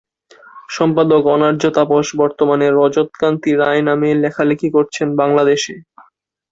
সম্পাদক অনার্য তাপস বর্তমানে ‘রজত কান্তি রায়’ নামে লেখালেখি করছেন বাংলাদেশে।